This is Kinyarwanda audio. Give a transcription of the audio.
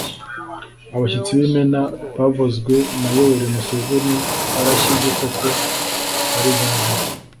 abashyitsi b'imena bavuzwe na yoweri museveni barashyize koko barigaragaza,